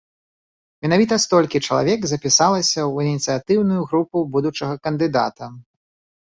Менавіта столькі чалавек запісалася ў ініцыятыўную групу будучага кандыдата.